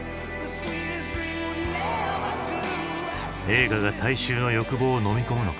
映画が大衆の欲望をのみ込むのか？